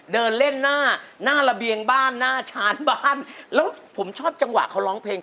เดินเล่นหน้าหน้าระเบียงบ้านหน้าชาร์จบ้านแล้วผมชอบจังหวะเขาร้องเพลง